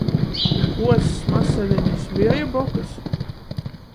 Kuoss, masalenis, vieja bokys?